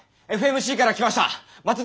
ＦＭＣから来ましたまつ。